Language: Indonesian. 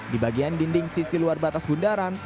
di bagian dinding sisi luar batas bundaran